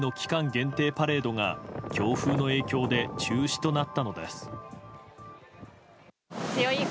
限定パレードが強風の影響で中止となったのです。